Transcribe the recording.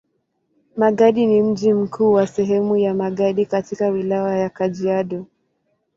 Magadi ni mji mkuu wa sehemu ya Magadi katika Wilaya ya Kajiado.